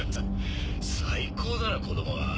最高だな子供は。